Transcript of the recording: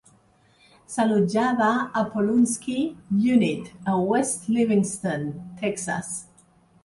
S"allotjava a Polunsky Unit a West Livingston, Texas.